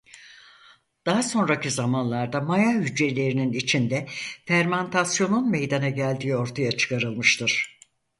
Daha sonraki zamanlarda maya hücrelerinin içinde fermantasyonun meydana geldiği ortaya çıkarılmıştır.